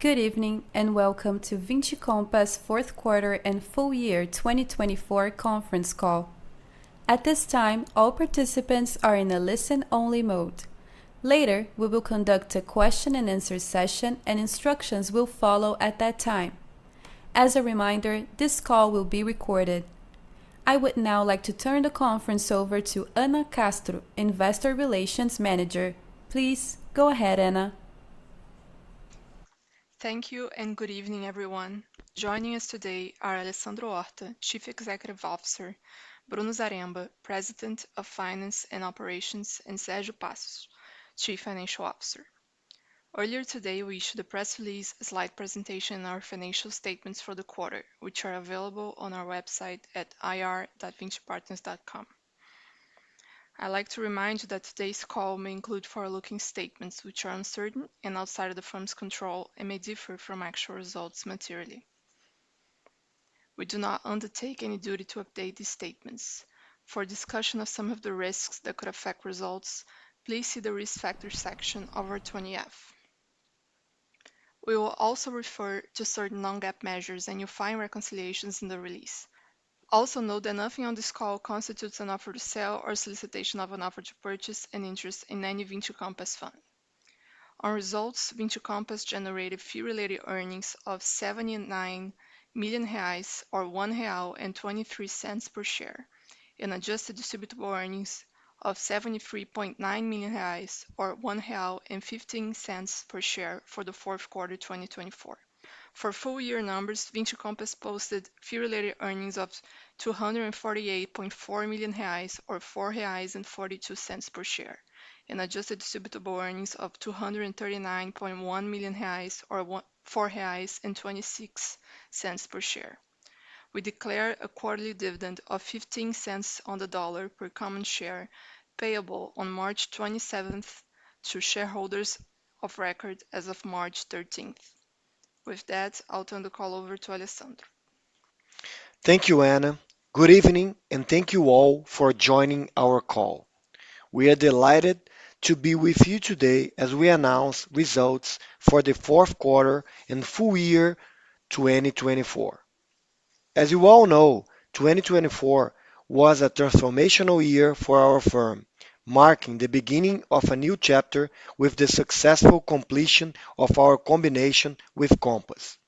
Good evening and welcome to Vinci Compass Fourth Quarter and Full Year 2024 Conference Call. At this time, all participants are in a listen-only mode. Later, we will conduct a question-and-answer session, and instructions will follow at that time. As a reminder, this call will be recorded. I would now like to turn the conference over to Anna Castro, Investor Relations Manager. Please go ahead, Anna. Thank you and good evening, everyone. Joining us today are Alessandro Horta, Chief Executive Officer, Bruno Zaremba, President of Finance and Operations, and Sérgio Passos, Chief Financial Officer. Earlier today, we issued a press release, a slide presentation, and our financial statements for the quarter, which are available on our website at ir.vincipartners.com. I'd like to remind you that today's call may include forward-looking statements which are uncertain and outside of the firm's control and may differ from actual results materially. We do not undertake any duty to update these statements. For discussion of some of the risks that could affect results, please see the Risk Factors section of our 20-F. We will also refer to certain non-GAAP measures, and you'll find reconciliations in the release. Also note that nothing on this call constitutes an offer to sell or solicitation of an offer to purchase an interest in any Vinci Compass fund. On results, Vinci Compass generated fee-related earnings of 79 million reais or 1.23 real per share and adjusted distributable earnings of 73.9 million reais or 1.15 real per share for the fourth quarter 2024. For full-year numbers, Vinci Compass posted fee-related earnings of 248.4 million reais or 4.42 reais per share and adjusted distributable earnings of 239.1 million reais or 4.26 reais per share. We declared a quarterly dividend of 0.15 on the dollar per common share payable on March 27th to shareholders of record as of March 13th. With that, I'll turn the call over to Alessandro. Thank you, Anna. Good evening and thank you all for joining our call. We are delighted to be with you today as we announce results for the fourth quarter and full year 2024. As you all know, 2024 was a transformational year for our firm, marking the beginning of a new chapter with the successful completion of our combination with Compass,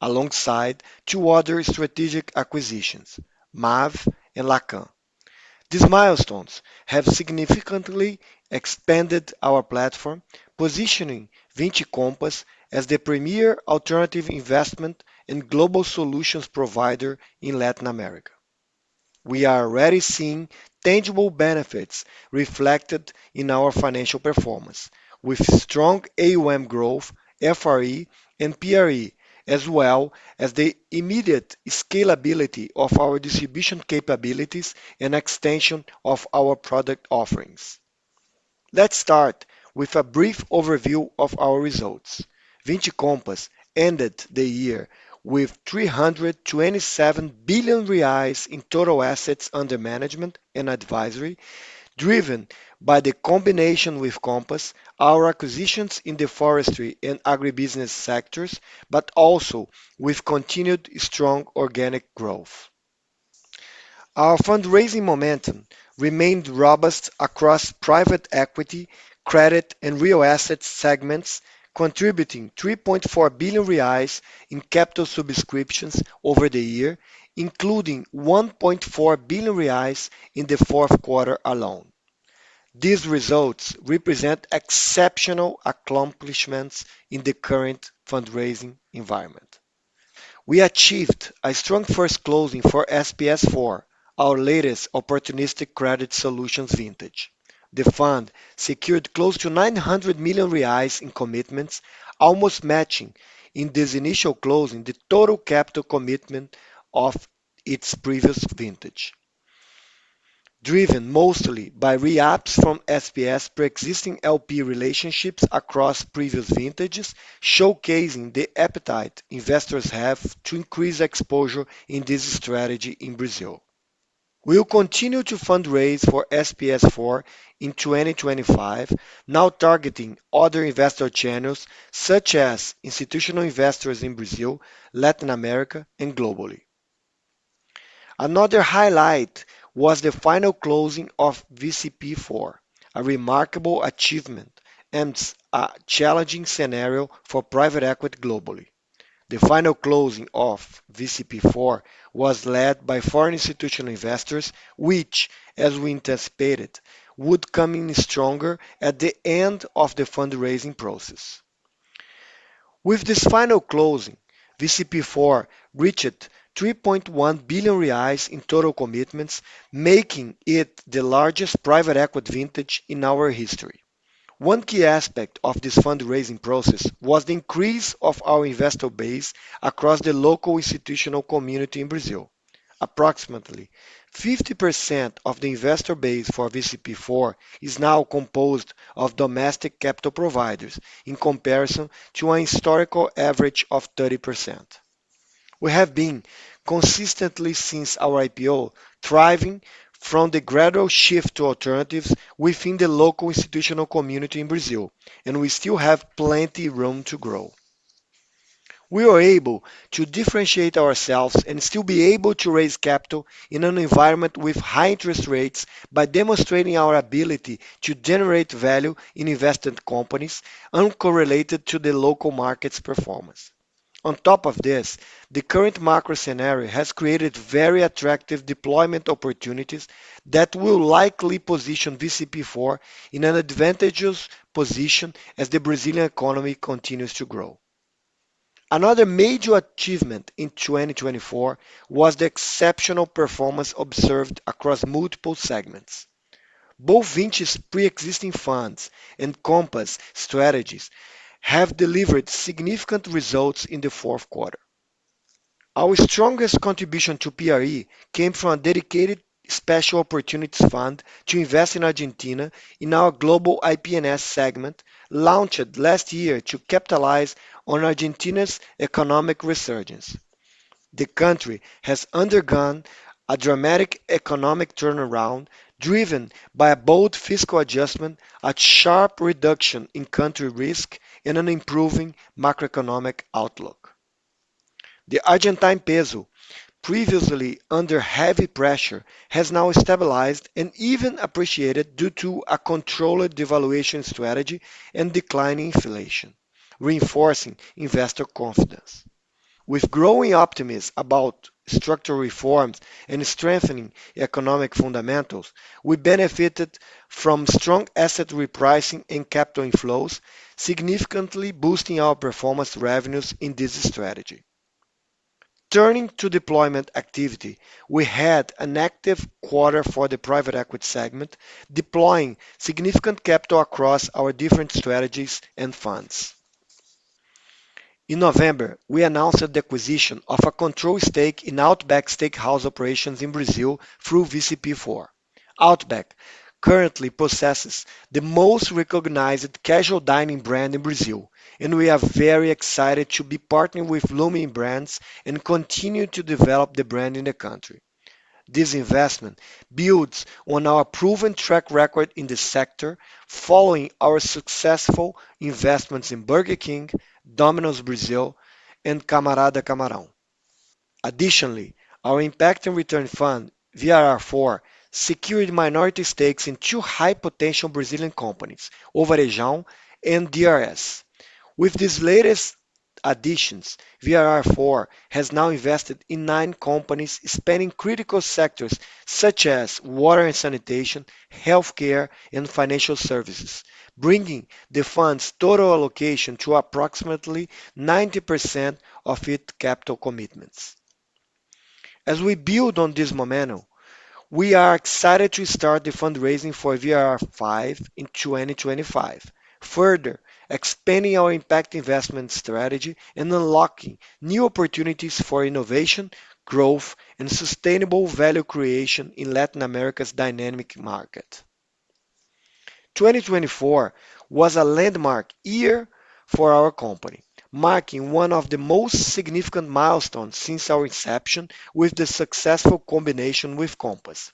alongside two other strategic acquisitions, MAV and Lacan. These milestones have significantly expanded our platform, positioning Vinci Compass as the premier alternative investment and global solutions provider in Latin America. We are already seeing tangible benefits reflected in our financial performance, with strong AUM growth, FRE, and PRE, as well as the immediate scalability of our distribution capabilities and extension of our product offerings. Let's start with a brief overview of our results. Vinci Compass ended the year with 327 billion reais in total assets under management and advisory, driven by the combination with Compass, our acquisitions in the forestry and agribusiness sectors, but also with continued strong organic growth. Our fundraising momentum remained robust across private equity, credit, and real asset segments, contributing 3.4 billion reais in capital subscriptions over the year, including 1.4 billion reais in the fourth quarter alone. These results represent exceptional accomplishments in the current fundraising environment. We achieved a strong first closing for SPS4, our latest opportunistic credit solutions, vintage. The fund secured close to 900 million reais in commitments, almost matching in this initial closing the total capital commitment of its previous vintage, driven mostly by re-ups from SPS, pre-existing LP relationships across previous vintage, showcasing the appetite investors have to increase exposure in this strategy in Brazil. We will continue to fundraise for SPS4 in 2025, now targeting other investor channels such as institutional investors in Brazil, Latin America, and globally. Another highlight was the final closing of VCP4, a remarkable achievement and a challenging scenario for private equity globally. The final closing of VCP4 was led by foreign institutional investors, which, as we anticipated, would come in stronger at the end of the fundraising process. With this final closing, VCP4 reached 3.1 billion reais in total commitments, making it the largest private equity vintage in our history. One key aspect of this fundraising process was the increase of our investor base across the local institutional community in Brazil. Approximately 50% of the investor base for VCP4 is now composed of domestic capital providers, in comparison to a historical average of 30%. We have been consistently since our IPO thriving from the gradual shift to alternatives within the local institutional community in Brazil, and we still have plenty of room to grow. We are able to differentiate ourselves and still be able to raise capital in an environment with high interest rates by demonstrating our ability to generate value in invested companies uncorrelated to the local market's performance. On top of this, the current macro scenario has created very attractive deployment opportunities that will likely position VCP4 in an advantageous position as the Brazilian economy continues to grow. Another major achievement in 2024 was the exceptional performance observed across multiple segments. Both Vinci's pre-existing funds and Compass strategies have delivered significant results in the fourth quarter. Our strongest contribution to PRE came from a dedicated special opportunities fund to invest in Argentina in our global IP&S segment, launched last year to capitalize on Argentina's economic resurgence. The country has undergone a dramatic economic turnaround, driven by a bold fiscal adjustment, a sharp reduction in country risk, and an improving macroeconomic outlook. The Argentine peso, previously under heavy pressure, has now stabilized and even appreciated due to a controlled devaluation strategy and declining inflation, reinforcing investor confidence. With growing optimism about structural reforms and strengthening economic fundamentals, we benefited from strong asset repricing and capital inflows, significantly boosting our performance revenues in this strategy. Turning to deployment activity, we had an active quarter for the private equity segment, deploying significant capital across our different strategies and funds. In November, we announced the acquisition of a controlling stake in Outback Steakhouse operations in Brazil through VCP4. Outback currently possesses the most recognized casual dining brand in Brazil, and we are very excited to be partnering with Bloomin' Brands and continue to develop the brand in the country. This investment builds on our proven track record in the sector, following our successful investments in Burger King, Domino's Brazil, and Camarada Camarão. Additionally, our impact and return fund, VIR4, secured minority stakes in two high-potential Brazilian companies, O Varejão and DRS. With these latest additions, VIR4 has now invested in nine companies spanning critical sectors such as water and sanitation, healthcare, and financial services, bringing the fund's total allocation to approximately 90% of its capital commitments. As we build on this momentum, we are excited to start the fundraising for VIR5 in 2025, further expanding our impact investment strategy and unlocking new opportunities for innovation, growth, and sustainable value creation in Latin America's dynamic market. 2024 was a landmark year for our company, marking one of the most significant milestones since our inception with the successful combination with Compass.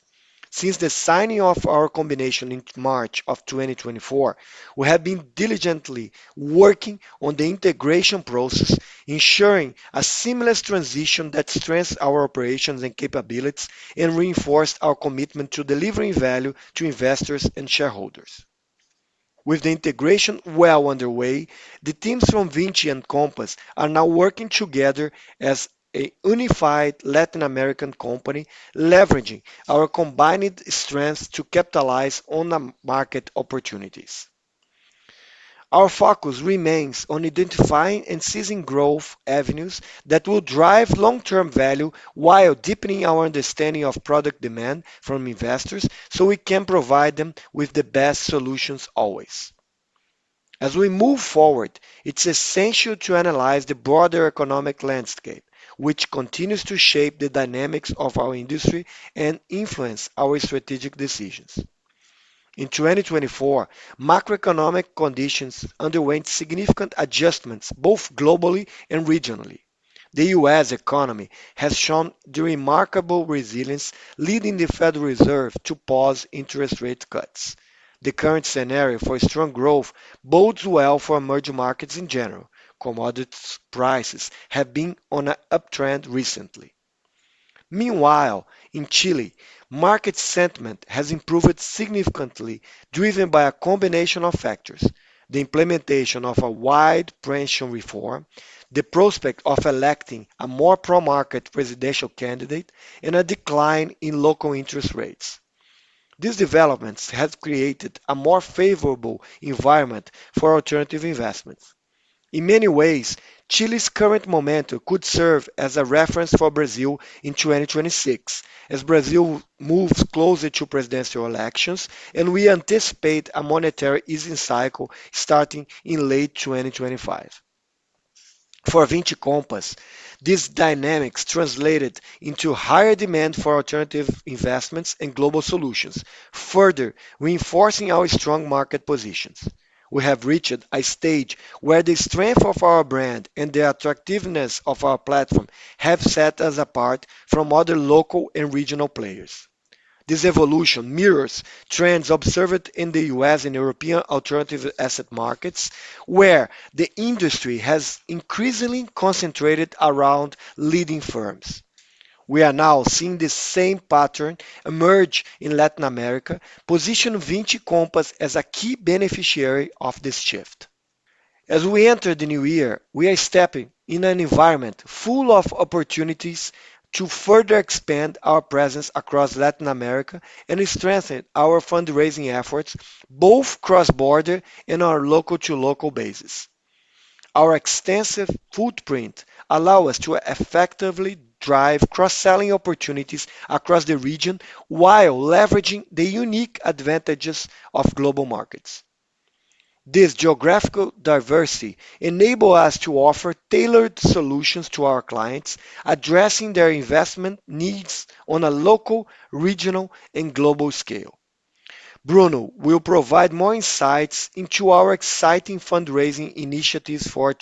Since the signing of our combination in March of 2024, we have been diligently working on the integration process, ensuring a seamless transition that strengthens our operations and capabilities and reinforces our commitment to delivering value to investors and shareholders. With the integration well underway, the teams from Vinci and Compass are now working together as a unified Latin American company, leveraging our combined strengths to capitalize on market opportunities. Our focus remains on identifying and seizing growth avenues that will drive long-term value while deepening our understanding of product demand from investors so we can provide them with the best solutions always. As we move forward, it's essential to analyze the broader economic landscape, which continues to shape the dynamics of our industry and influence our strategic decisions. In 2024, macroeconomic conditions underwent significant adjustments both globally and regionally. The U.S. economy has shown remarkable resilience, leading the Federal Reserve to pause interest rate cuts. The current scenario for strong growth bodes well for emerging markets in general. Commodity prices have been on an uptrend recently. Meanwhile, in Chile, market sentiment has improved significantly, driven by a combination of factors: the implementation of a wide pension reform, the prospect of electing a more pro-market presidential candidate, and a decline in local interest rates. These developments have created a more favorable environment for alternative investments. In many ways, Chile's current momentum could serve as a reference for Brazil in 2026, as Brazil moves closer to presidential elections, and we anticipate a monetary easing cycle starting in late 2025. For Vinci Compass, these dynamics translated into higher demand for alternative investments and global solutions, further reinforcing our strong market positions. We have reached a stage where the strength of our brand and the attractiveness of our platform have set us apart from other local and regional players. This evolution mirrors trends observed in the U.S. and European alternative asset markets, where the industry has increasingly concentrated around leading firms. We are now seeing this same pattern emerge in Latin America, positioning Vinci Compass as a key beneficiary of this shift. As we enter the new year, we are stepping in an environment full of opportunities to further expand our presence across Latin America and strengthen our fundraising efforts, both cross-border and on a local-to-local basis. Our extensive footprint allows us to effectively drive cross-selling opportunities across the region while leveraging the unique advantages of global markets. This geographical diversity enables us to offer tailored solutions to our clients, addressing their investment needs on a local, regional, and global scale. Bruno will provide more insights into our exciting fundraising initiatives for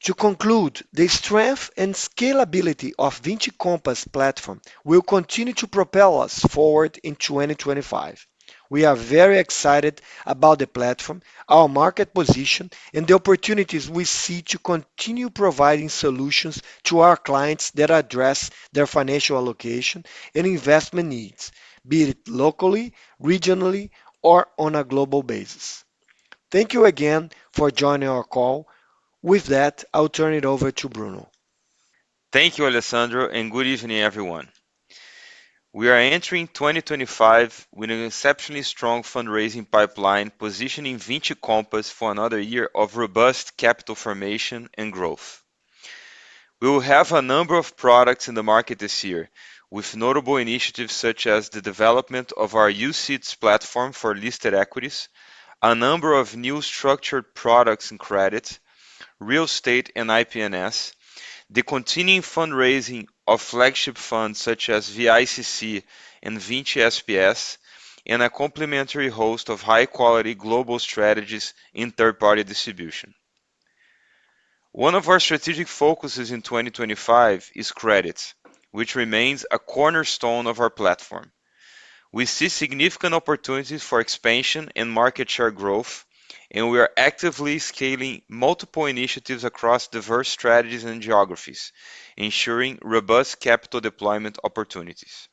2025. To conclude, the strength and scalability of the Vinci Compass platform will continue to propel us forward in 2025. We are very excited about the platform, our market position, and the opportunities we see to continue providing solutions to our clients that address their financial allocation and investment needs, be it locally, regionally, or on a global basis. Thank you again for joining our call. With that, I'll turn it over to Bruno. Thank you, Alessandro, and good evening, everyone. We are entering 2025 with an exceptionally strong fundraising pipeline, positioning Vinci Compass for another year of robust capital formation and growth. We will have a number of products in the market this year, with notable initiatives such as the development of our UCITS platform for listed equities, a number of new structured products and credits, real estate and IP&S, the continuing fundraising of flagship funds such as VICC and Vinci SPS, and a complementary host of high-quality global strategies in third-party distribution. One of our strategic focuses in 2025 is credits, which remains a cornerstone of our platform. We see significant opportunities for expansion and market share growth, and we are actively scaling multiple initiatives across diverse strategies and geographies, ensuring robust capital deployment opportunities.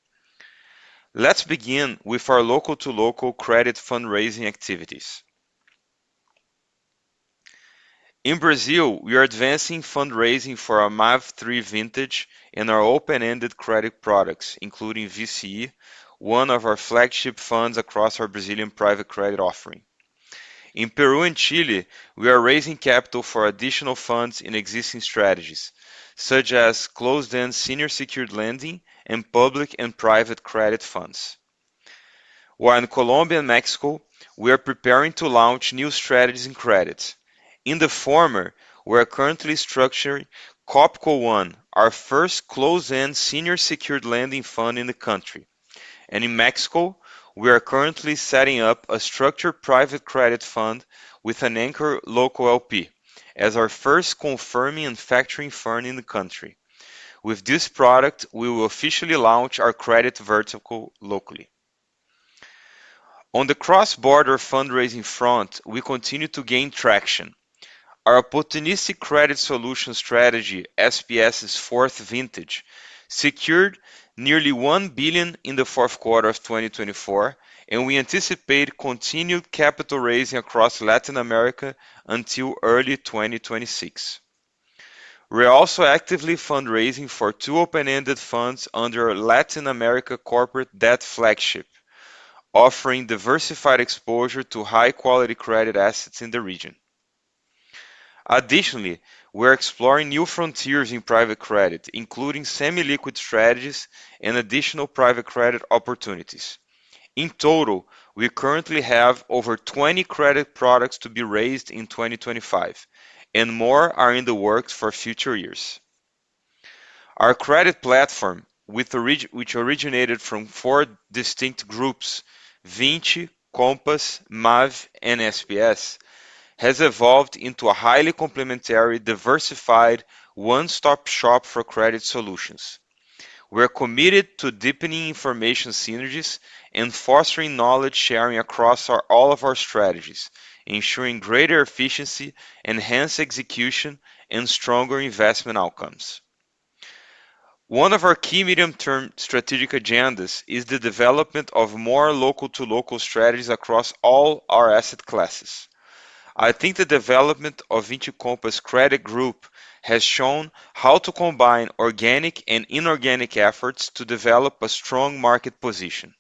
Let's begin with our local-to-local credit fundraising activities. In Brazil, we are advancing fundraising for our MAV3 vintage and our open-ended credit products, including VCE, one of our flagship funds across our Brazilian private credit offering. In Peru and Chile, we are raising capital for additional funds in existing strategies, such as closed-end senior secured lending and public and private credit funds. While in Colombia and Mexico, we are preparing to launch new strategies in credits. In the former, we are currently structuring COPCO One, our first closed-end senior secured lending fund in the country, and in Mexico, we are currently setting up a structured private credit fund with an anchor local LP, as our first confirming and factoring fund in the country. With this product, we will officially launch our credit vertical locally. On the cross-border fundraising front, we continue to gain traction. Our opportunistic credit solution strategy, SPS's fourth vintage, secured nearly $1 billion in the fourth quarter of 2024, and we anticipate continued capital raising across Latin America until early 2026. We are also actively fundraising for two open-ended funds under Latin America Corporate Debt Flagship, offering diversified exposure to high-quality credit assets in the region. Additionally, we are exploring new frontiers in private credit, including semi-liquid strategies and additional private credit opportunities. In total, we currently have over 20 credit products to be raised in 2025, and more are in the works for future years. Our credit platform, which originated from four distinct groups, Vinci, Compass, MAV, and SPS, has evolved into a highly complementary, diversified, one-stop shop for credit solutions. We are committed to deepening information synergies and fostering knowledge sharing across all of our strategies, ensuring greater efficiency, enhanced execution, and stronger investment outcomes. One of our key medium-term strategic agendas is the development of more local-to-local strategies across all our asset classes. I think the development of Vinci Compass Credit Group has shown how to combine organic and inorganic efforts to develop a strong market position.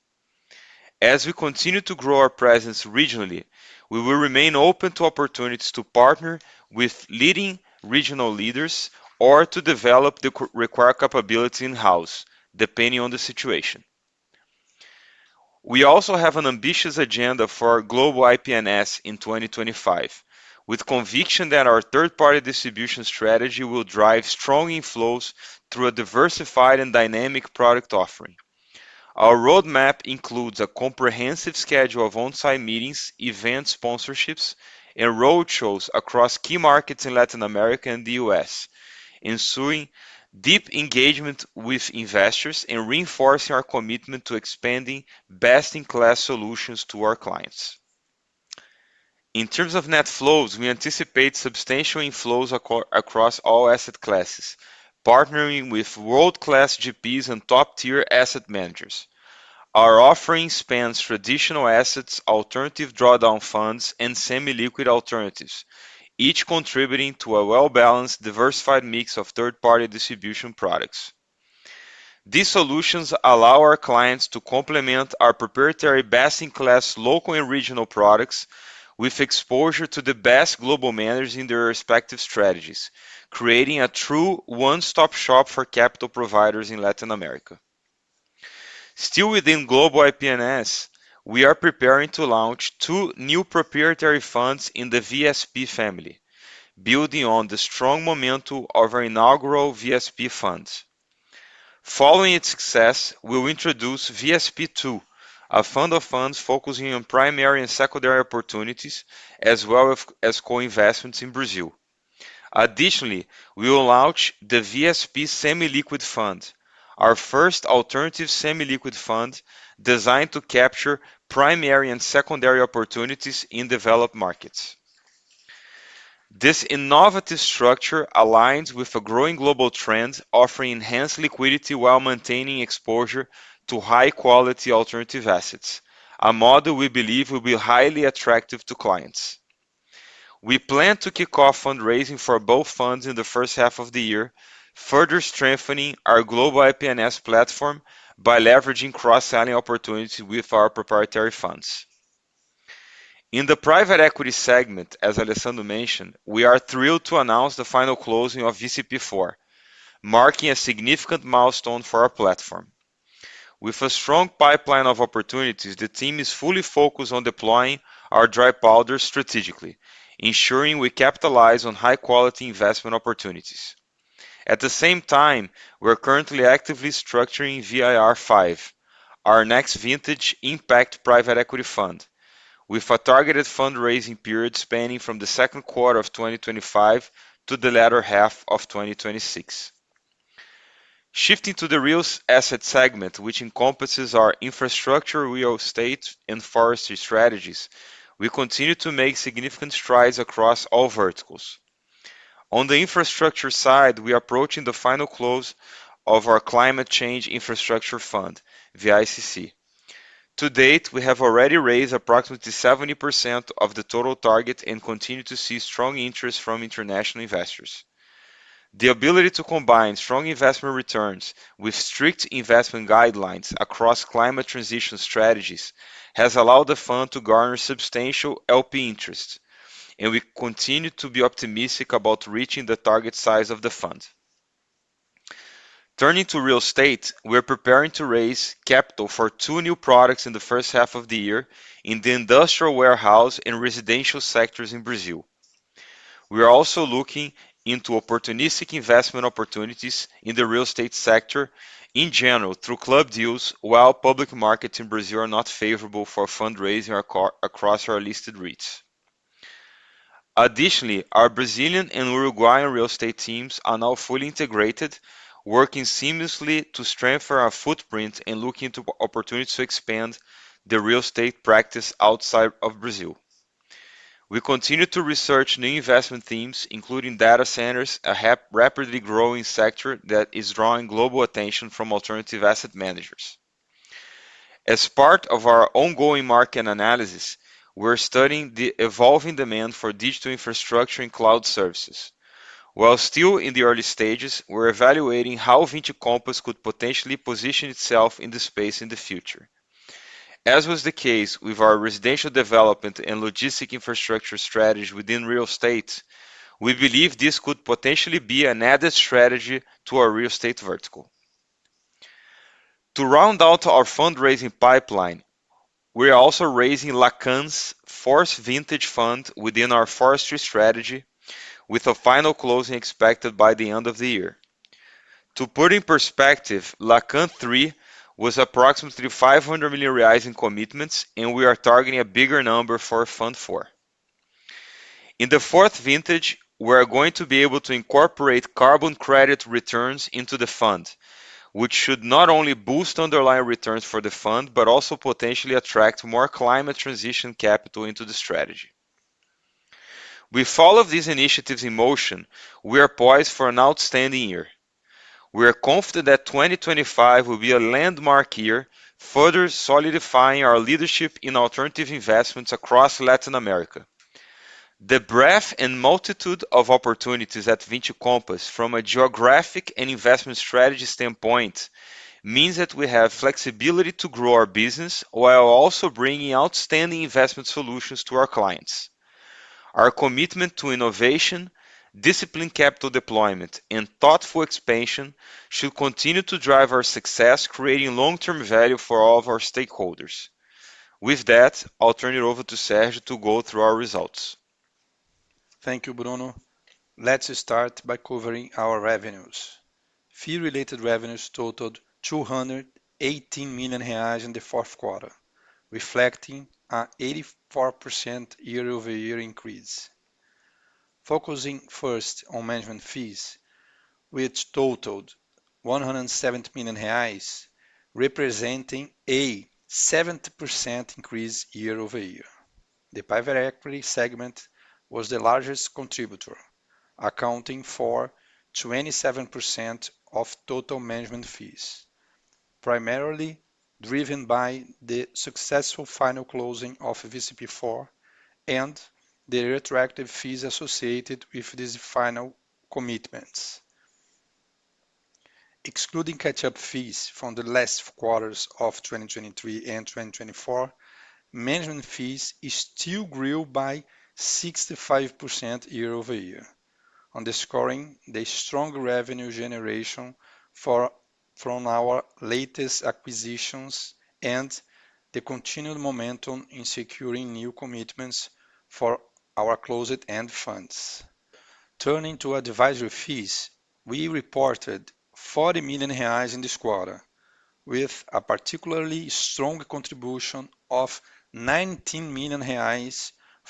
As we continue to grow our presence regionally, we will remain open to opportunities to partner with leading regional leaders or to develop the required capability in-house, depending on the situation. We also have an ambitious agenda for our global IP&S in 2025, with conviction that our third-party distribution strategy will drive strong inflows through a diversified and dynamic product offering. Our roadmap includes a comprehensive schedule of onsite meetings, event sponsorships, and roadshows across key markets in Latin America and the U.S., ensuring deep engagement with investors and reinforcing our commitment to expanding best-in-class solutions to our clients. In terms of net flows, we anticipate substantial inflows across all asset classes, partnering with world-class GPs and top-tier asset managers. Our offering spans traditional assets, alternative drawdown funds, and semi-liquid alternatives, each contributing to a well-balanced, diversified mix of third-party distribution products. These solutions allow our clients to complement our proprietary best-in-class local and regional products with exposure to the best global managers in their respective strategies, creating a true one-stop shop for capital providers in Latin America. Still within global IP&S, we are preparing to launch two new proprietary funds in the VSP family, building on the strong momentum of our inaugural VSP funds. Following its success, we will introduce VSP2, a fund of funds focusing on primary and secondary opportunities, as well as co-investments in Brazil. Additionally, we will launch the VSP Semi-Liquid Fund, our first alternative semi-liquid fund designed to capture primary and secondary opportunities in developed markets. This innovative structure aligns with a growing global trend, offering enhanced liquidity while maintaining exposure to high-quality alternative assets, a model we believe will be highly attractive to clients. We plan to kick off fundraising for both funds in the first half of the year, further strengthening our global IP&S platform by leveraging cross-selling opportunities with our proprietary funds. In the private equity segment, as Alessandro mentioned, we are thrilled to announce the final closing of VCP4, marking a significant milestone for our platform. With a strong pipeline of opportunities, the team is fully focused on deploying our dry powder strategically, ensuring we capitalize on high-quality investment opportunities. At the same time, we are currently actively structuring VIR5, our next vintage impact private equity fund, with a targeted fundraising period spanning from the second quarter of 2025 to the latter half of 2026. Shifting to the real estate segment, which encompasses our infrastructure, real estate, and forestry strategies, we continue to make significant strides across all verticals. On the infrastructure side, we are approaching the final close of our climate change infrastructure fund, VICC. To date, we have already raised approximately 70% of the total target and continue to see strong interest from international investors. The ability to combine strong investment returns with strict investment guidelines across climate transition strategies has allowed the fund to garner substantial LP interest, and we continue to be optimistic about reaching the target size of the fund. Turning to real estate, we are preparing to raise capital for two new products in the first half of the year in the industrial warehouse and residential sectors in Brazil. We are also looking into opportunistic investment opportunities in the real estate sector in general through club deals, while public markets in Brazil are not favorable for fundraising across our listed REITs. Additionally, our Brazilian and Uruguayan real estate teams are now fully integrated, working seamlessly to strengthen our footprint and looking into opportunities to expand the real estate practice outside of Brazil. We continue to research new investment themes, including data centers, a rapidly growing sector that is drawing global attention from alternative asset managers. As part of our ongoing market analysis, we are studying the evolving demand for digital infrastructure and cloud services. While still in the early stages, we're evaluating how Vinci Compass could potentially position itself in the space in the future. As was the case with our residential development and logistic infrastructure strategy within real estate, we believe this could potentially be an added strategy to our real estate vertical. To round out our fundraising pipeline, we are also raising Lacan's Fourth Vintage Fund within our forestry strategy, with a final closing expected by the end of the year. To put in perspective, Lacan 3 was approximately $500 million in commitments, and we are targeting a bigger number for Fund 4. In the fourth vintage, we are going to be able to incorporate carbon credit returns into the fund, which should not only boost underlying returns for the fund, but also potentially attract more climate transition capital into the strategy. With all of these initiatives in motion, we are poised for an outstanding year. We are confident that 2025 will be a landmark year, further solidifying our leadership in alternative investments across Latin America. The breadth and multitude of opportunities at Vinci Compass, from a geographic and investment strategy standpoint, means that we have flexibility to grow our business while also bringing outstanding investment solutions to our clients. Our commitment to innovation, disciplined capital deployment, and thoughtful expansion should continue to drive our success, creating long-term value for all of our stakeholders. With that, I'll turn it over to Sérgio to go through our results. Thank you, Bruno. Let's start by covering our revenues. Fee-related revenues totaled $218 million in the fourth quarter, reflecting an 84% year-over-year increase. Focusing first on management fees, which totaled $170 million, representing a 70% increase year-over-year. The private equity segment was the largest contributor, accounting for 27% of total management fees, primarily driven by the successful final closing of VCP4 and the retroactive fees associated with these final commitments. Excluding catch-up fees from the last quarters of 2023 and 2024, management fees still grew by 65% year-over-year, underscoring the strong revenue generation from our latest acquisitions and the continued momentum in securing new commitments for our closed-end funds. Turning to advisory fees, we reported $40 million in this quarter, with a particularly strong contribution of $19 million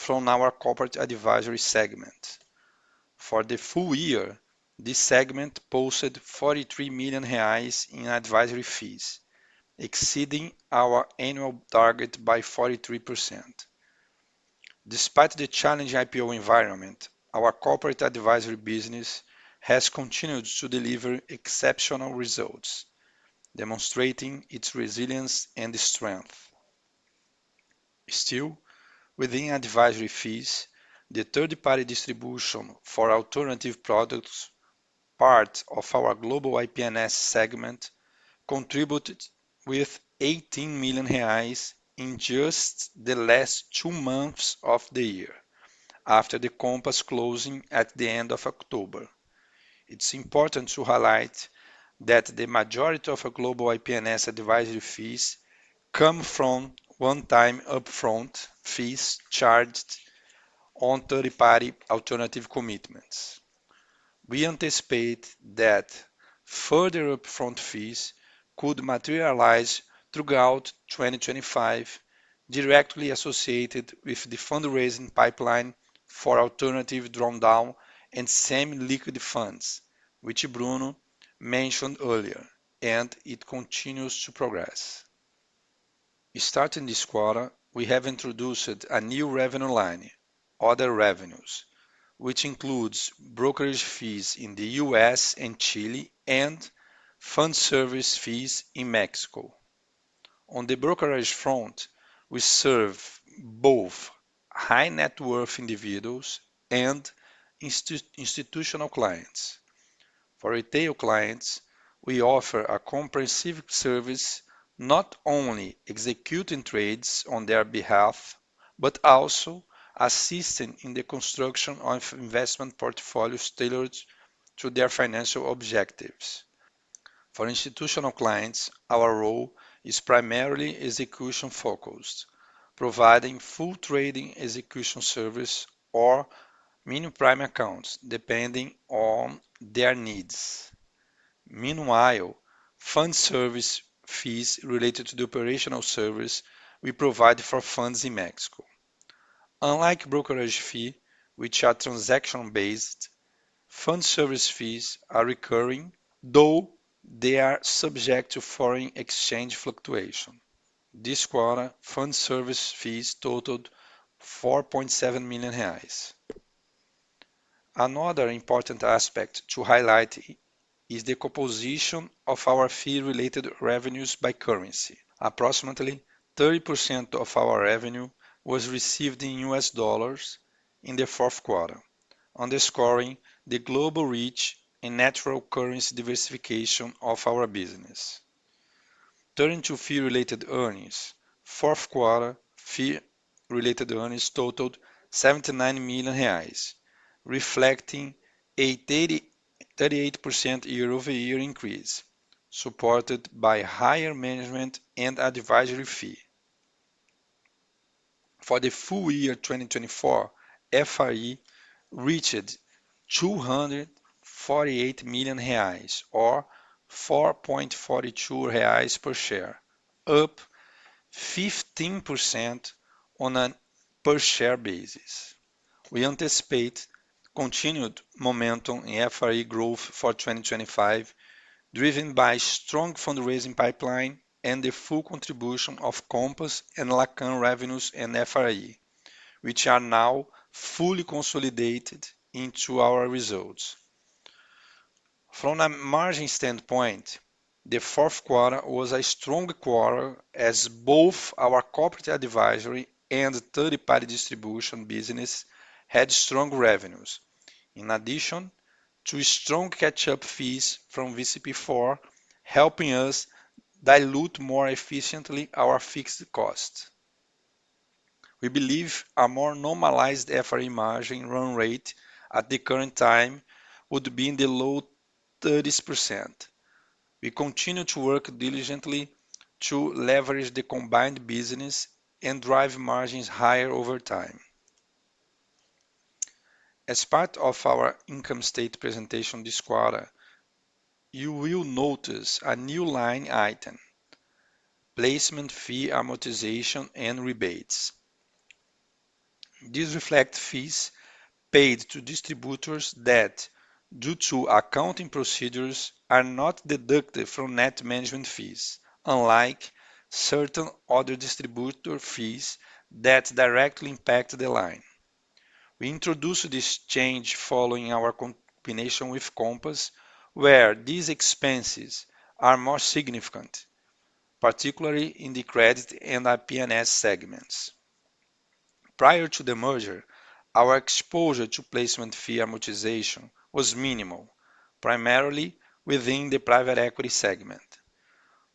from our corporate advisory segment. For the full year, this segment posted $43 million in advisory fees, exceeding our annual target by 43%. Despite the challenging IPO environment, our corporate advisory business has continued to deliver exceptional results, demonstrating its resilience and strength. Still, within advisory fees, the third-party distribution for alternative products, part of our global IP&S segment, contributed with $18 million in just the last two months of the year, after the Compass closing at the end of October. It's important to highlight that the majority of global IP&S advisory fees come from one-time upfront fees charged on third-party alternative commitments. We anticipate that further upfront fees could materialize throughout 2025, directly associated with the fundraising pipeline for alternative drawdown and semi-liquid funds, which Bruno mentioned earlier, and it continues to progress. Starting this quarter, we have introduced a new revenue line, Other Revenues, which includes brokerage fees in the U.S. and Chile and fund service fees in Mexico. On the brokerage front, we serve both high-net-worth individuals and institutional clients. For retail clients, we offer a comprehensive service not only executing trades on their behalf, but also assisting in the construction of investment portfolios tailored to their financial objectives. For institutional clients, our role is primarily execution-focused, providing full trading execution service or mini prime accounts, depending on their needs. Meanwhile, fund service fees related to the operational service we provide for funds in Mexico. Unlike brokerage fees, which are transaction-based, fund service fees are recurring, though they are subject to foreign exchange fluctuation. This quarter, fund service fees totaled $4.7 million. Another important aspect to highlight is the composition of our fee-related revenues by currency. Approximately 30% of our revenue was received in U.S. dollars in the fourth quarter, underscoring the global reach and natural currency diversification of our business. Turning to fee-related earnings, fourth quarter fee-related earnings totaled $79 million, reflecting a 38% year-over-year increase, supported by higher management and advisory fees. For the full year 2024, FRE reached $248 million, or $4.42 per share, up 15% on a per-share basis. We anticipate continued momentum in FRE growth for 2025, driven by a strong fundraising pipeline and the full contribution of Compass and Lacan revenues and FRE, which are now fully consolidated into our results. From a margin standpoint, the fourth quarter was a strong quarter, as both our corporate advisory and third-party distribution business had strong revenues, in addition to strong catch-up fees from VCP4, helping us dilute more efficiently our fixed costs. We believe a more normalized FRE margin run rate at the current time would be in the low 30%. We continue to work diligently to leverage the combined business and drive margins higher over time. As part of our income statement presentation this quarter, you will notice a new line item: Placement Fee Amortization and Rebates. These reflect fees paid to distributors that, due to accounting procedures, are not deducted from net management fees, unlike certain other distributor fees that directly impact the line. We introduced this change following our combination with Compass, where these expenses are more significant, particularly in the credit and IP&S segments. Prior to the merger, our exposure to placement fee amortization was minimal, primarily within the private equity segment.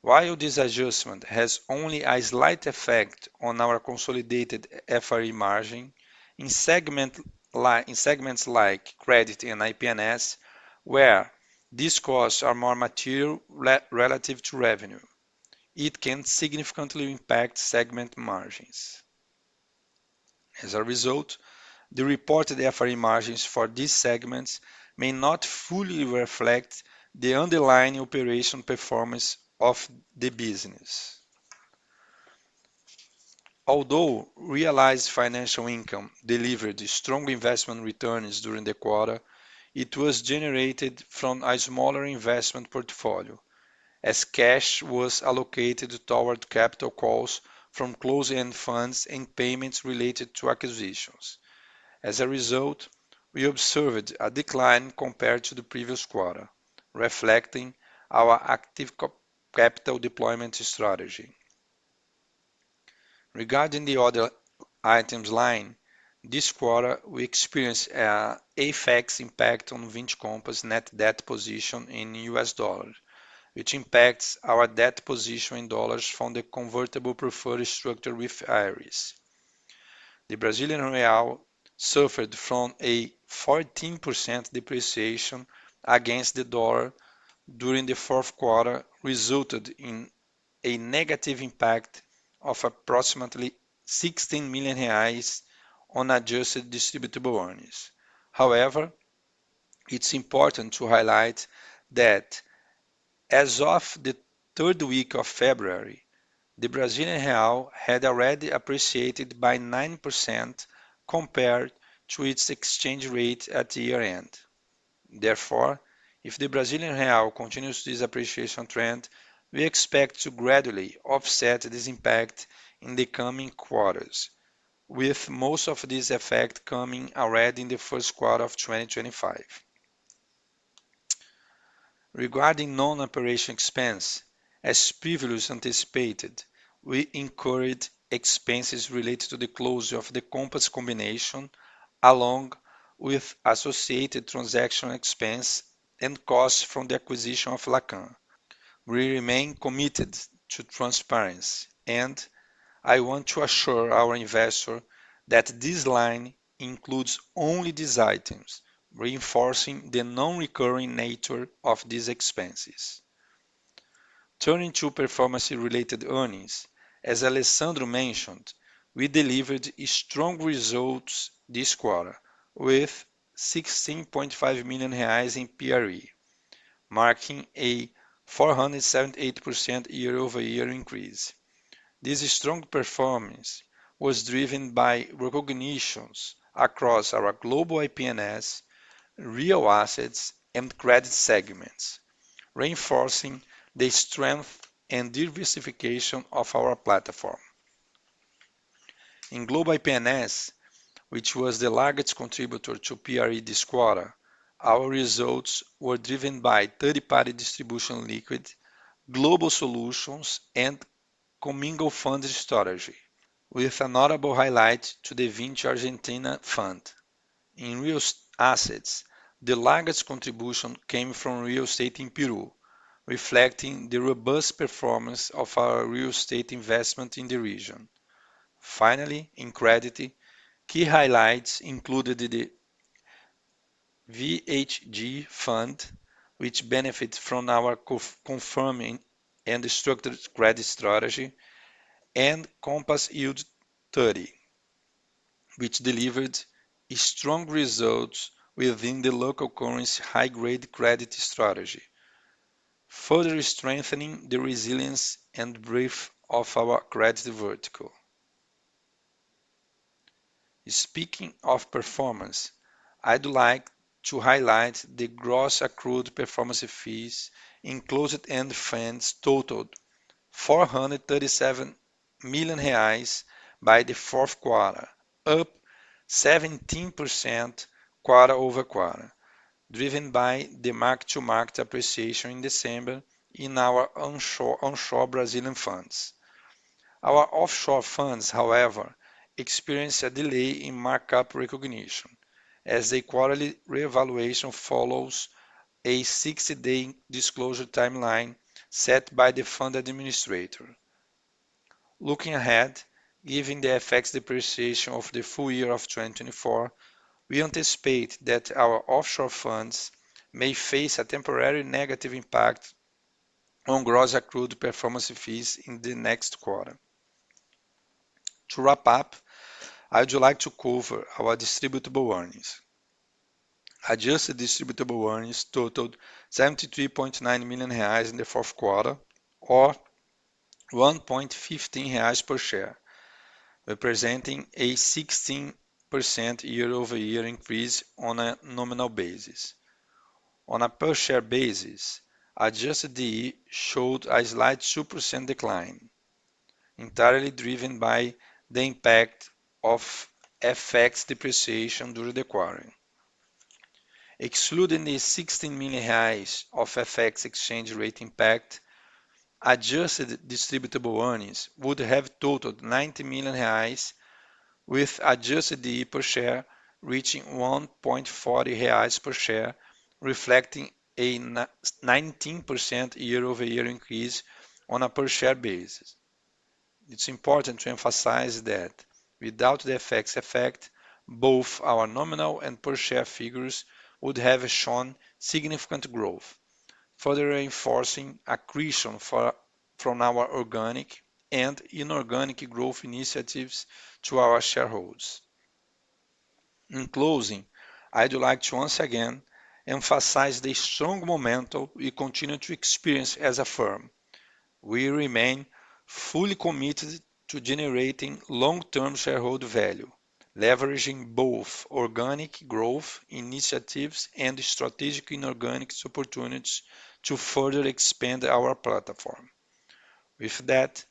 While this adjustment has only a slight effect on our consolidated FRE margin, in segments like credit and IP&S, where these costs are more material relative to revenue, it can significantly impact segment margins. As a result, the reported FRE margins for these segments may not fully reflect the underlying operational performance of the business. Although realized financial income delivered strong investment returns during the quarter, it was generated from a smaller investment portfolio, as cash was allocated toward capital calls from closed-end funds and payments related to acquisitions. As a result, we observed a decline compared to the previous quarter, reflecting our active capital deployment strategy. Regarding the other items line, this quarter we experienced an FX impact on Vinci Compass net debt position in U.S. dollars, which impacts our debt position in dollars from the convertible preferred structure with Ares Management. The Brazilian real suffered from a 14% depreciation against the dollar during the fourth quarter, resulting in a negative impact of approximately $16 million on adjusted distributable earnings. However, it's important to highlight that, as of the third week of February, the Brazilian real had already appreciated by 9% compared to its exchange rate at the year-end. Therefore, if the Brazilian real continues this appreciation trend, we expect to gradually offset this impact in the coming quarters, with most of this effect coming already in the first quarter of 2025. Regarding non-operational expense, as previously anticipated, we incurred expenses related to the closure of the Compass combination, along with associated transactional expense and costs from the acquisition of Lacan. We remain committed to transparency, and I want to assure our investor that this line includes only these items, reinforcing the non-recurring nature of these expenses. Turning to performance-related earnings, as Alessandro mentioned, we delivered strong results this quarter, with $16.5 million in PRE, marking a 478% year-over-year increase. This strong performance was driven by recognitions across our global IP&S, real assets, and credit segments, reinforcing the strength and diversification of our platform. In global IP&S, which was the largest contributor to PRE this quarter, our results were driven by third-party distribution liquid, global solutions, and commingled fund strategy, with a notable highlight to the Vinci Argentina Fund. In real assets, the largest contribution came from real estate in Peru, reflecting the robust performance of our real estate investment in the region. Finally, in credits, key highlights included the VHG Fund, which benefited from our confirming and structured credit strategy, and Compass Yield 30, which delivered strong results within the local currency high-grade credit strategy, further strengthening the resilience and breadth of our credit vertical. Speaking of performance, I'd like to highlight the gross accrued performance fees in closed-end funds totaled $437 million by the fourth quarter, up 17% quarter over quarter, driven by the mark-to-market appreciation in December in our onshore Brazilian funds. Our offshore funds, however, experienced a delay in mark-up recognition, as the quarterly reevaluation follows a 60-day disclosure timeline set by the fund administrator. Looking ahead, given the FX depreciation of the full year of 2024, we anticipate that our offshore funds may face a temporary negative impact on gross accrued performance fees in the next quarter. To wrap up, I'd like to cover our distributable earnings. Adjusted distributable earnings totaled $73.9 million in the fourth quarter, or $1.15 per share, representing a 16% year-over-year increase on a nominal basis. On a per-share basis, adjusted DE showed a slight 2% decline, entirely driven by the impact of FX depreciation during the quarter. Excluding the $16 million of FX exchange rate impact, adjusted distributable earnings would have totaled $90 million, with adjusted DE per share reaching $1.40 per share, reflecting a 19% year-over-year increase on a per-share basis. It's important to emphasize that, without the FX effect, both our nominal and per-share figures would have shown significant growth, further reinforcing accretion from our organic and inorganic growth initiatives to our shareholders. In closing, I'd like to once again emphasize the strong momentum we continue to experience as a firm. We remain fully committed to generating long-term shareholder value, leveraging both organic growth initiatives and strategic inorganic opportunities to further expand our platform. With that,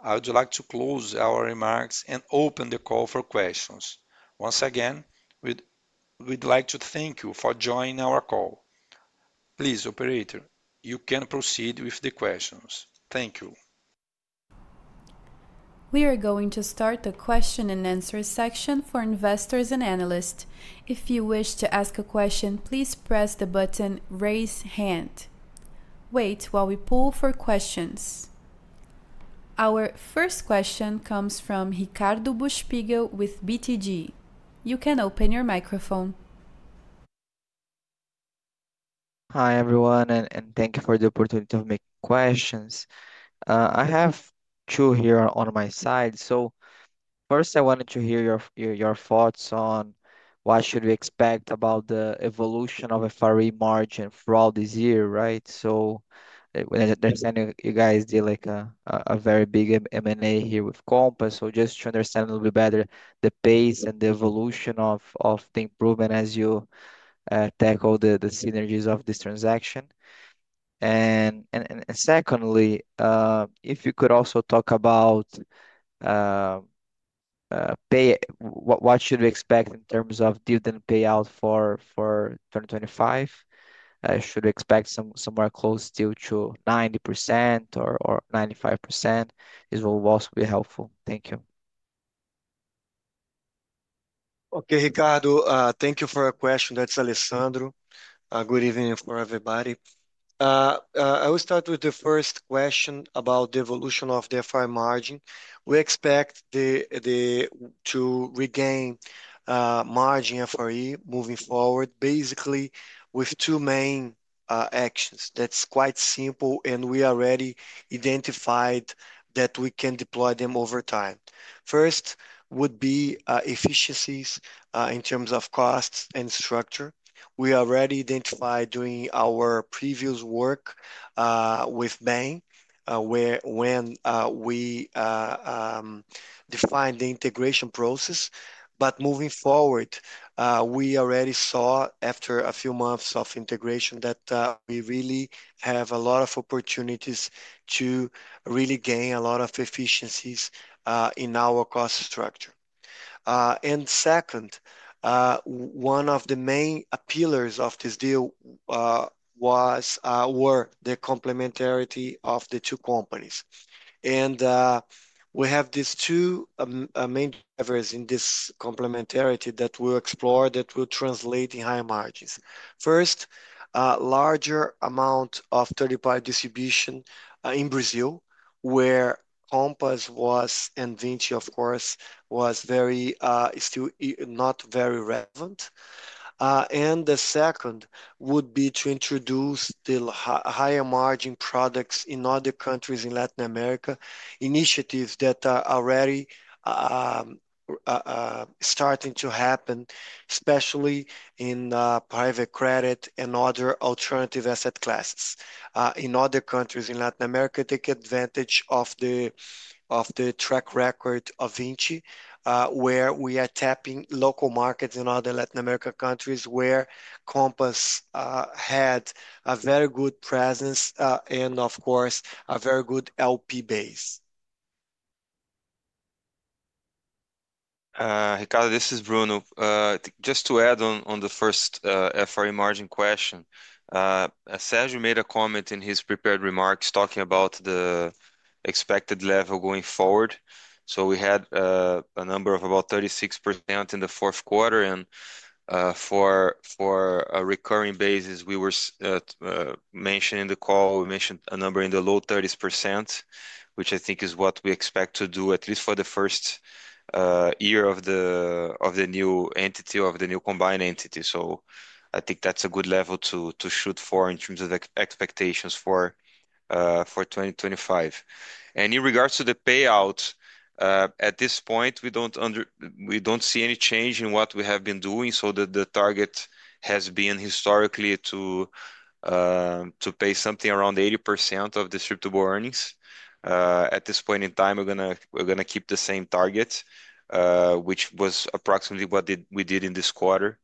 I'd like to close our remarks and open the call for questions. Once again, we'd like to thank you for joining our call. Please, Operator, you can proceed with the questions. Thank you. We are going to start the question and answer section for investors and analysts. If you wish to ask a question, please press the button "Raise Hand." Wait while we poll for questions. Our first question comes from Ricardo Buchpiguel with BTG. You can open your microphone. Hi everyone, and thank you for the opportunity to make questions. I have two here on my side. So first, I wanted to hear your thoughts on what should we expect about the evolution of FRE margin throughout this year, right? So I understand you guys did like a very big M&A here with Compass. So just to understand a little bit better the pace and the evolution of the improvement as you tackle the synergies of this transaction. And secondly, if you could also talk about what should we expect in terms of dividend payout for 2025, should we expect somewhere close still to 90% or 95%? It will also be helpful. Thank you. Okay, Ricardo, thank you for your question. That's Alessandro. Good evening for everybody. I will start with the first question about the evolution of the FRE margin. We expect to regain margin FRE moving forward, basically with two main actions. That's quite simple, and we already identified that we can deploy them over time. First would be efficiencies in terms of costs and structure. We already identified during our previous work with Bain when we defined the integration process. But moving forward, we already saw after a few months of integration that we really have a lot of opportunities to really gain a lot of efficiencies in our cost structure. And second, one of the main pillars of this deal was the complementarity of the two companies. And we have these two main drivers in this complementarity that we'll explore that will translate in high margins. First, a larger amount of third-party distribution in Brazil, where Compass was and Vinci, of course, was very still not very relevant. And the second would be to introduce the higher margin products in other countries in Latin America, initiatives that are already starting to happen, especially in private credit and other alternative asset classes in other countries in Latin America. Take advantage of the track record of Vinci, where we are tapping local markets in other Latin American countries where Compass had a very good presence and, of course, a very good LP base. Ricardo, this is Bruno. Just to add on the first FRE margin question, Sérgio made a comment in his prepared remarks talking about the expected level going forward. So we had a number of about 36% in the fourth quarter. For a recurring basis, we were mentioning in the call, we mentioned a number in the low 30%, which I think is what we expect to do, at least for the first year of the new entity, of the new combined entity. I think that's a good level to shoot for in terms of expectations for 2025. In regards to the payout, at this point, we don't see any change in what we have been doing. The target has been historically to pay something around 80% of distributable earnings. At this point in time, we're going to keep the same target, which was approximately what we did in this quarter.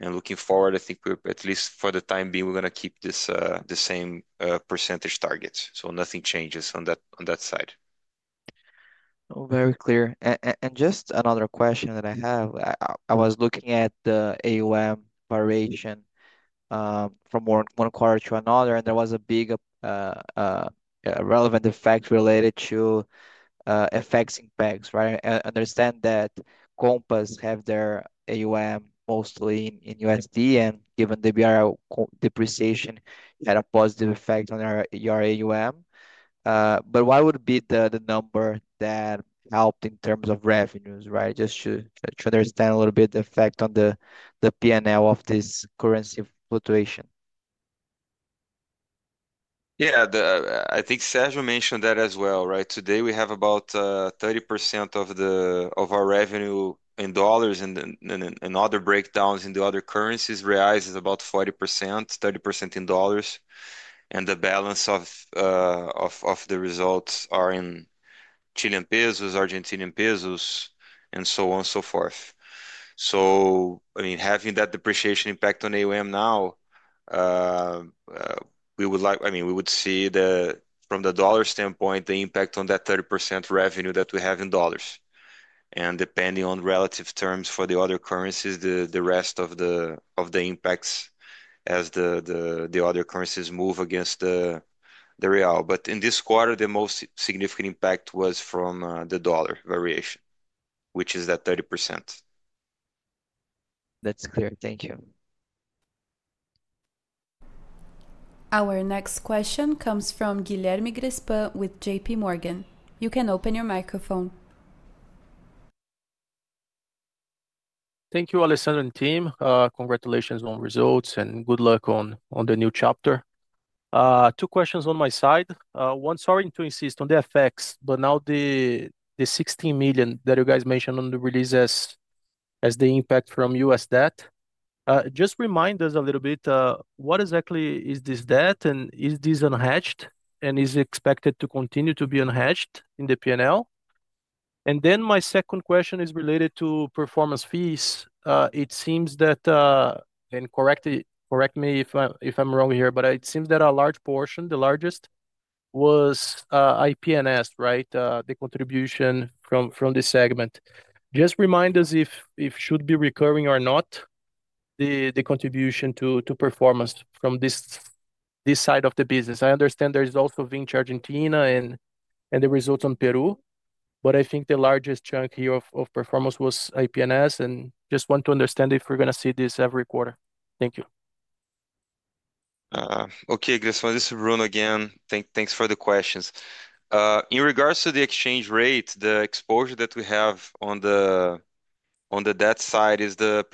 Looking forward, I think at least for the time being, we're going to keep the same percentage targets. Nothing changes on that side. Very clear. Just another question that I have. I was looking at the AUM variation from one quarter to another, and there was a big relevant effect related to FX impacts, right? I understand that Compass has their AUM mostly in USD, and given the BRL depreciation, it had a positive effect on your AUM. But what would be the number that helped in terms of revenues, right? Just to understand a little bit the effect on the P&L of this currency fluctuation. Yeah, I think Sérgio mentioned that as well, right? Today, we have about 30% of our revenue in dollars and other breakdowns in the other currencies Reais is about 40%, 30% in dollars. And the balance of the results are in Chilean pesos, Argentinian pesos, and so on and so forth. I mean, having that depreciation impact on AUM now, we would like, I mean, we would see from the dollar standpoint, the impact on that 30% revenue that we have in dollars. And depending on relative terms for the other currencies, the rest of the impacts as the other currencies move against the real. But in this quarter, the most significant impact was from the dollar variation, which is that 30%. That's clear. Thank you. Our next question comes from Guilherme Grespan with J.P. Morgan. You can open your microphone. Thank you, Alessandro and team. Congratulations on results and good luck on the new chapter. Two questions on my side. One, sorry to insist on the FX, but now the $16 million that you guys mentioned on the release as the impact from U.S. debt, just remind us a little bit, what exactly is this debt and is this unhedged and is expected to continue to be unhedged in the P&L? And then my second question is related to performance fees. It seems that, and correct me if I'm wrong here, but it seems that a large portion, the largest, was IP&S, right? The contribution from this segment. Just remind us if it should be recurring or not, the contribution to performance from this side of the business. I understand there is also Vinci Argentina and the results on Peru, but I think the largest chunk here of performance was IP&S and just want to understand if we're going to see this every quarter. Thank you. Okay, Grespan, this is Bruno again. Thanks for the questions. In regards to the exchange rate, the exposure that we have on the debt side is the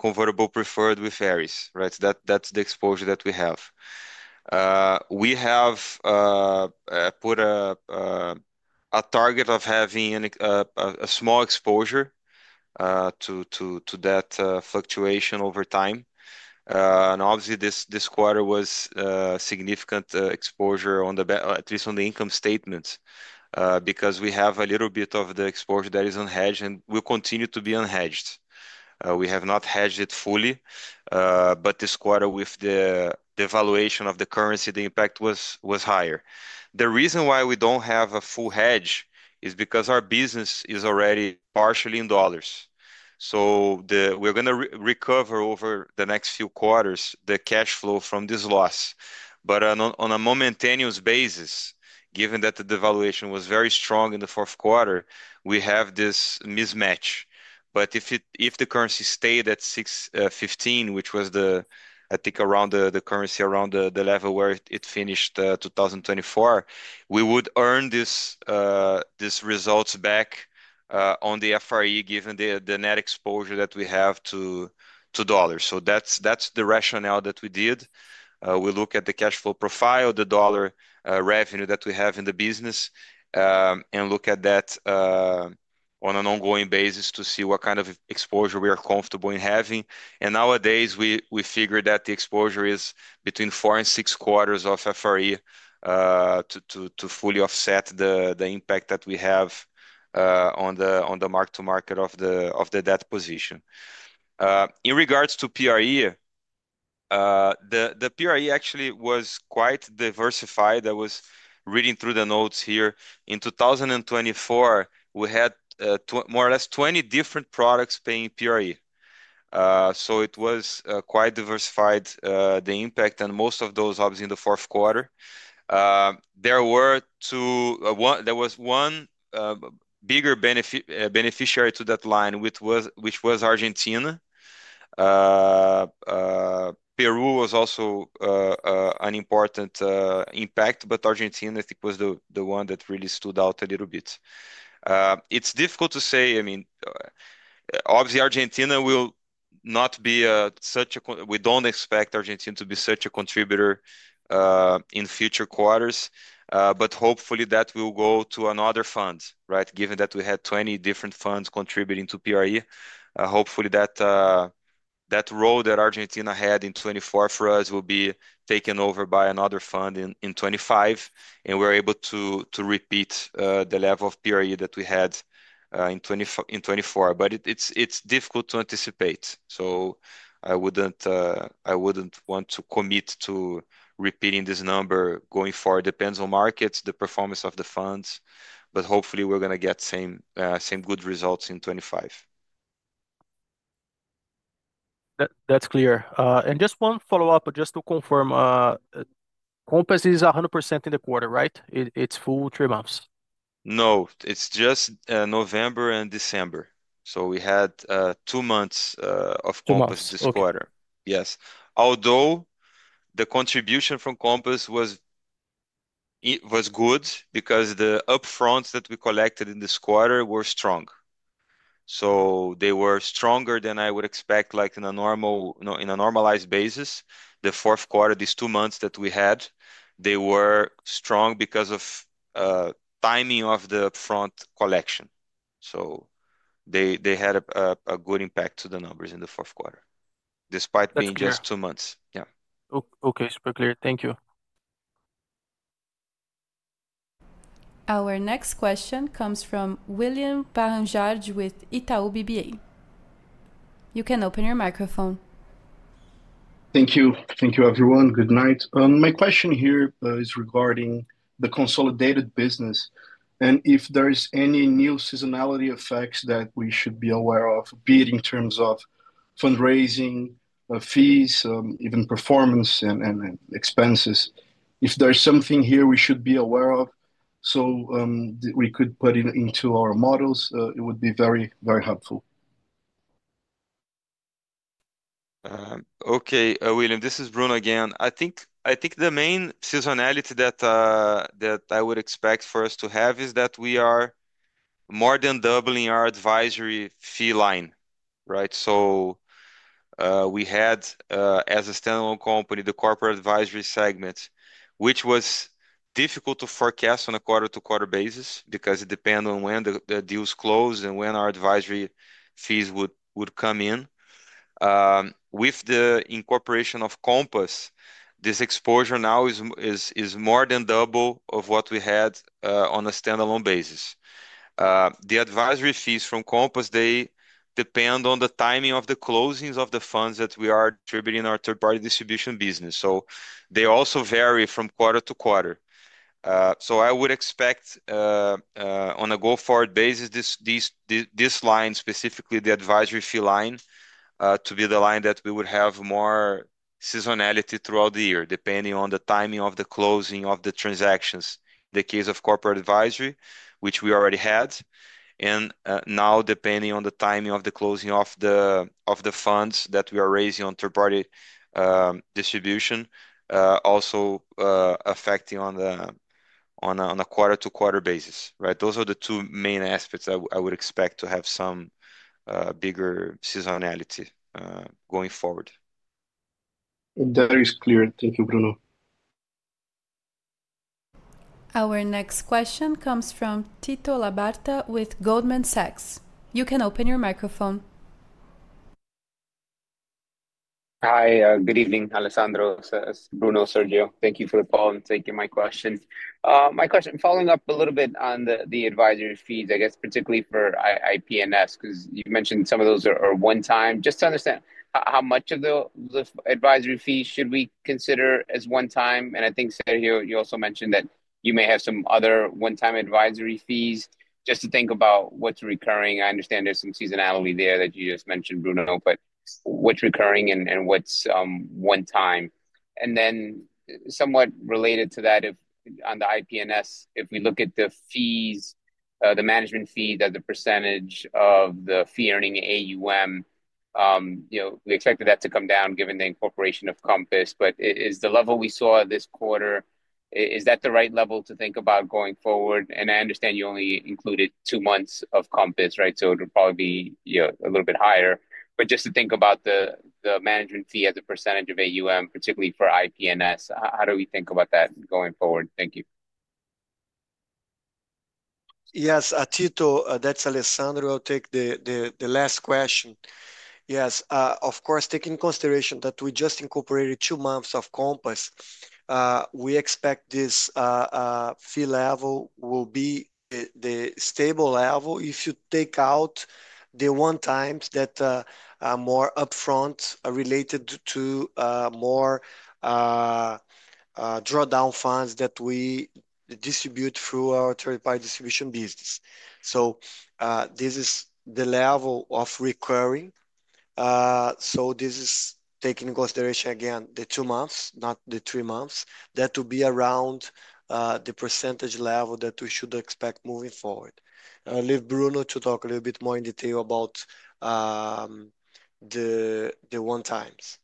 convertible preferred with Ares, right? That's the exposure that we have. We have put a target of having a small exposure to that fluctuation over time, and obviously, this quarter was a significant exposure, at least on the income statements, because we have a little bit of the exposure that is unhedged and will continue to be unhedged. We have not hedged it fully, but this quarter with the valuation of the currency, the impact was higher. The reason why we don't have a full hedge is because our business is already partially in dollars. So we're going to recover over the next few quarters the cash flow from this loss. But on a momentaneous basis, given that the devaluation was very strong in the fourth quarter, we have this mismatch. But if the currency stayed at 615, which was the, I think, around the currency, around the level where it finished 2024, we would earn these results back on the FRE given the net exposure that we have to dollars. So that's the rationale that we did. We look at the cash flow profile, the dollar revenue that we have in the business, and look at that on an ongoing basis to see what kind of exposure we are comfortable in having. And nowadays, we figure that the exposure is between four and six quarters of FRE to fully offset the impact that we have on the mark-to-market of the debt position. In regards to PRE, the PRE actually was quite diversified. I was reading through the notes here. In 2024, we had more or less 20 different products paying PRE. So it was quite diversified, the impact, and most of those obviously in the fourth quarter. There was one bigger beneficiary to that line, which was Argentina. Peru was also an important impact, but Argentina, I think, was the one that really stood out a little bit. It's difficult to say. I mean, obviously, Argentina will not be such a - we don't expect Argentina to be such a contributor in future quarters. But hopefully, that will go to another fund, right? Given that we had 20 different funds contributing to PRE, hopefully that role that Argentina had in 2024 for us will be taken over by another fund in 2025, and we're able to repeat the level of PRE that we had in 2024. But it's difficult to anticipate. So I wouldn't want to commit to repeating this number going forward. Depends on markets, the performance of the funds, but hopefully, we're going to get same good results in 2025. That's clear. And just one follow-up, just to confirm, Compass is 100% in the quarter, right? It's full three months? No, it's just November and December. So we had two months of Compass this quarter. Yes. Although the contribution from Compass was good because the upfronts that we collected in this quarter were strong. So they were stronger than I would expect, like in a normalized basis. The fourth quarter, these two months that we had, they were strong because of timing of the upfront collection. So they had a good impact to the numbers in the fourth quarter, despite being just two months. Yeah. Okay, super clear. Thank you. Our next question comes from William Barranjard with Itaú BBA. You can open your microphone. Thank you. Thank you, everyone. Good night. My question here is regarding the consolidated business and if there's any new seasonality effects that we should be aware of, be it in terms of fundraising, fees, even performance and expenses. If there's something here we should be aware of so we could put it into our models, it would be very, very helpful. Okay, William, this is Bruno again. I think the main seasonality that I would expect for us to have is that we are more than doubling our advisory fee line, right? So we had, as a standalone company, the corporate advisory segment, which was difficult to forecast on a quarter-to-quarter basis because it depends on when the deals close and when our advisory fees would come in. With the incorporation of Compass, this exposure now is more than double of what we had on a standalone basis. The advisory fees from Compass, they depend on the timing of the closings of the funds that we are distributing in our third-party distribution business. So they also vary from quarter to quarter, so I would expect on a go-forward basis, this line, specifically the advisory fee line, to be the line that we would have more seasonality throughout the year, depending on the timing of the closing of the transactions, the case of corporate advisory, which we already had, and now, depending on the timing of the closing of the funds that we are raising on third-party distribution, also affecting on a quarter-to-quarter basis, right? Those are the two main aspects I would expect to have some bigger seasonality going forward. That is clear. Thank you, Bruno. Our next question comes from Tito Labarta with Goldman Sachs. You can open your microphone. Hi, good evening, Alessandro, Bruno, Sérgio. Thank you for the call and taking my question. My question, following up a little bit on the advisory fees, I guess, particularly for IP&S, because you mentioned some of those are one-time. Just to understand, how much of the advisory fees should we consider as one-time? And I think, Sérgio, you also mentioned that you may have some other one-time advisory fees. Just to think about what's recurring, I understand there's some seasonality there that you just mentioned, Bruno, but what's recurring and what's one-time? And then somewhat related to that, on the IP&S, if we look at the fees, the management fees, as a percentage of the Fee-Earning AUM, we expected that to come down given the incorporation of Compass. But is the level we saw this quarter, is that the right level to think about going forward? And I understand you only included two months of Compass, right? So it would probably be a little bit higher. But just to think about the management fee as a percentage of AUM, particularly for IP&S, how do we think about that going forward? Thank you. Yes, Tito, that's Alessandro. I'll take the last question. Yes, of course, taking consideration that we just incorporated two months of Compass, we expect this fee level will be the stable level if you take out the one-times that are more upfront related to more drawdown funds that we distribute through our third-party distribution business. So this is the level of recurring. This is taking into consideration, again, the two months, not the three months, that would be around the percentage level that we should expect moving forward. I'll leave Bruno to talk a little bit more in detail about the one-times.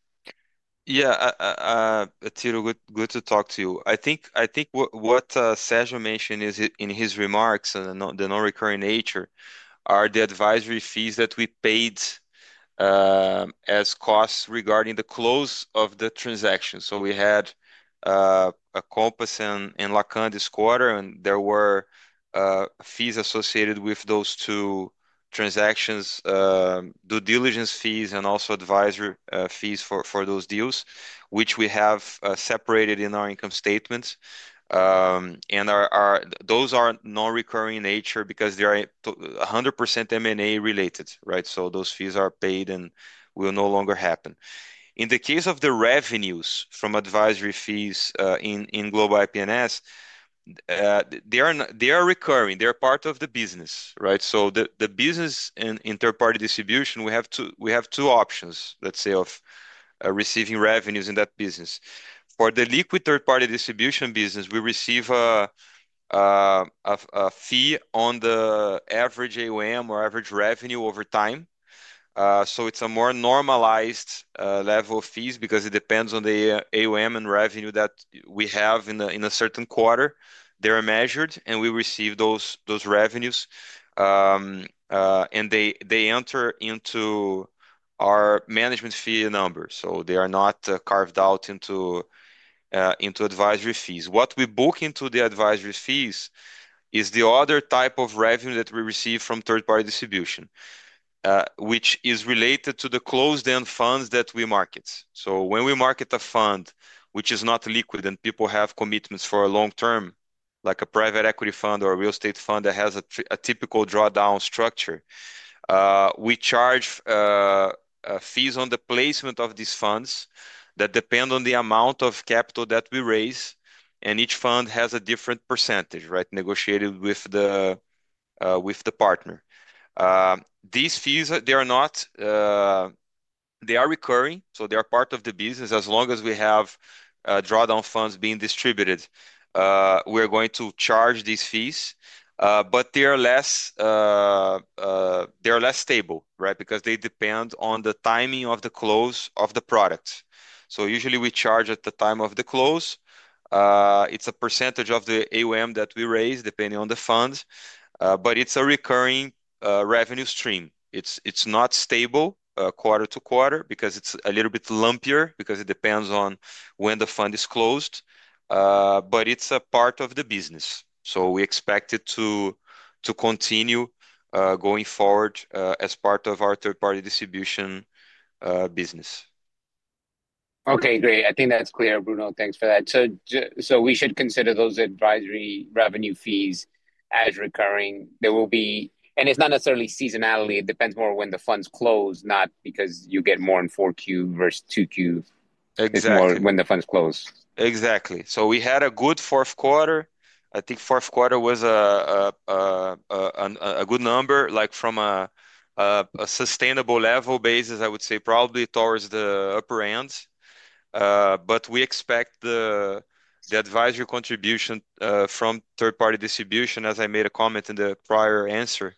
Yeah, Tito, good to talk to you. I think what Sérgio mentioned in his remarks, the non-recurring nature, are the advisory fees that we paid as costs regarding the close of the transaction. So we had a Compass and Lacan this quarter, and there were fees associated with those two transactions, due diligence fees, and also advisory fees for those deals, which we have separated in our income statements. And those are non-recurring in nature because they are 100% M&A related, right? So those fees are paid and will no longer happen. In the case of the revenues from advisory fees in Global IP&S, they are recurring. They are part of the business, right? So the business in third-party distribution, we have two options, let's say, of receiving revenues in that business. For the liquid third-party distribution business, we receive a fee on the average AUM or average revenue over time. So it's a more normalized level of fees because it depends on the AUM and revenue that we have in a certain quarter. They are measured, and we receive those revenues, and they enter into our management fee number. So they are not carved out into advisory fees. What we book into the advisory fees is the other type of revenue that we receive from third-party distribution, which is related to the closed-end funds that we market. So, when we market a fund which is not liquid and people have commitments for a long term, like a private equity fund or a real estate fund that has a typical drawdown structure, we charge fees on the placement of these funds that depend on the amount of capital that we raise, and each fund has a different percentage, right, negotiated with the partner. These fees, they are recurring, so they are part of the business. As long as we have drawdown funds being distributed, we're going to charge these fees, but they are less stable, right, because they depend on the timing of the close of the products. So, usually, we charge at the time of the close. It's a percentage of the AUM that we raise, depending on the funds, but it's a recurring revenue stream. It's not stable quarter to quarter because it's a little bit lumpier, because it depends on when the fund is closed, but it's a part of the business. So we expect it to continue going forward as part of our third-party distribution business. Okay, great. I think that's clear, Bruno. Thanks for that. So we should consider those advisory revenue fees as recurring. And it's not necessarily seasonality. It depends more when the funds close, not because you get more in 4Q versus 2Q when the funds close. Exactly. So we had a good fourth quarter. I think fourth quarter was a good number, like from a sustainable level basis, I would say probably towards the upper end. But we expect the advisory contribution from third-party distribution, as I made a comment in the prior answer,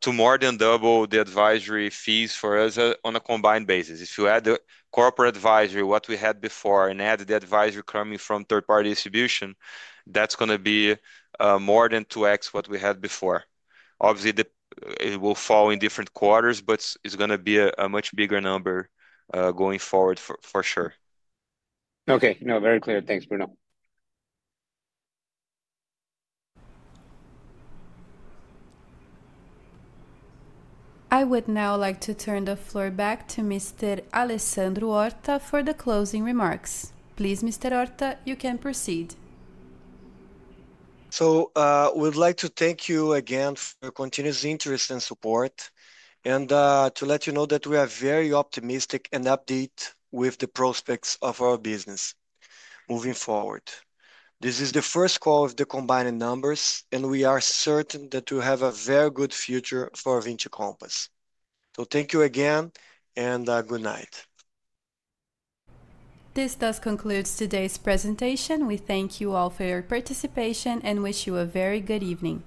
to more than double the advisory fees for us on a combined basis. If you add the corporate advisory, what we had before, and add the advisory coming from third-party distribution, that's going to be more than 2x what we had before. Obviously, it will fall in different quarters, but it's going to be a much bigger number going forward for sure. Okay. No, very clear. Thanks, Bruno. I would now like to turn the floor back to Mr. Alessandro Horta for the closing remarks. Please, Mr. Horta, you can proceed. We'd like to thank you again for your continuous interest and support and to let you know that we are very optimistic and updated with the prospects of our business moving forward. This is the first call of the combined numbers, and we are certain that we have a very good future for Vinci Compass. Thank you again and good night. This does conclude today's presentation. We thank you all for your participation and wish you a very good evening.